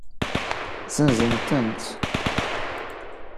Zenzen-tent?